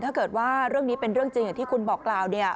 ถ้าเกิดว่าเรื่องนี้เป็นเรื่องจริงอย่างที่คุณบอกกล่าว